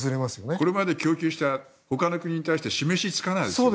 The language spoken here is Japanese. これまで供給した他の国に対して示しがつかないですよね。